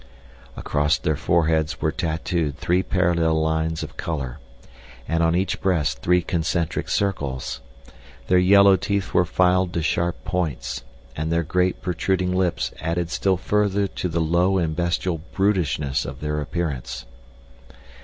Across their foreheads were tattooed three parallel lines of color, and on each breast three concentric circles. Their yellow teeth were filed to sharp points, and their great protruding lips added still further to the low and bestial brutishness of their appearance.